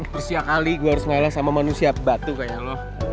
pertanyaan kali gue harus kalah sama manusia batu kayak lo